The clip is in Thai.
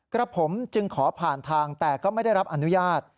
กระผมจึงขอผ่านทางแต่ก็ไม่ได้รับอนุญาต